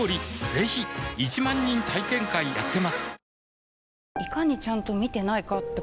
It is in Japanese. ぜひ１万人体験会やってますはぁ。